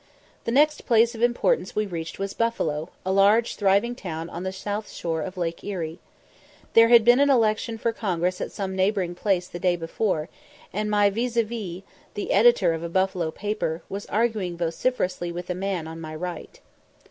The next place of importance we reached was Buffalo, a large thriving town on the south shore of Lake Erie. There had been an election for Congress at some neighbouring place the day before, and my vis à vis, the editor of a Buffalo paper, was arguing vociferously with a man on my right.